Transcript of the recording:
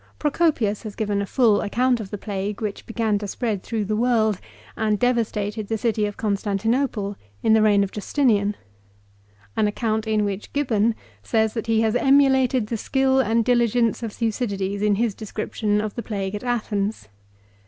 Procopius has given a full account of the plague which began to spread tnrough the world, and devastated the city of Constantinople, in the reign of Justinian ; an account in which Gibbon says that he " has emulated the skill and diligence of Thucydides in his descrip tion of the plague at Athens."